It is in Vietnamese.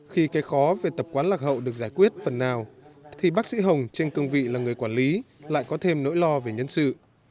khi cái khó về tập quán lạc hậu được giải quyết phần nào thì bác sĩ hồng trên cương vị là người quản lý lại có thêm nỗi lo về nhân sự